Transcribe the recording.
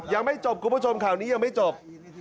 ยังไม่จบคุณผู้ชมข่าวนี้ยังไม่จบ